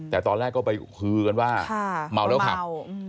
แต่ตอนแรกก็ไปฮือกันว่าเมาแล้วขับ